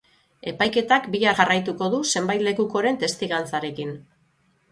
Epaiketak bihar jarraituko du zenbait lekukoren testigantzarekin.